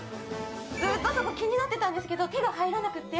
ずっとそこ気になってたんですけど手が入らなくって。